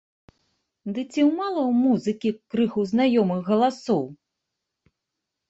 Ды ці мала ў музыкі крыху знаёмых галасоў?!